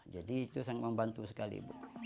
jadi itu sangat membantu sekali